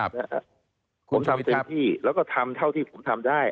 ผมทำเต็มที่แล้วก็ทำเท่าที่ผมทำได้